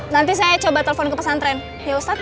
nanti saya coba telepon ke pesantren ya ustadz